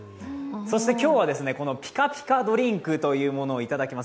そして今日はこのピカピカドリンクというものをいただきます。